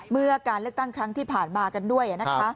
เมื่อการเลือกตั้งครั้งที่ผ่านมากันด้วย